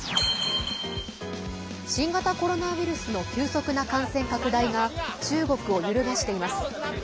新型コロナウイルスの急速な感染拡大が中国を揺るがしています。